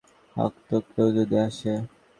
হাক তো, কেউ যদি আসে।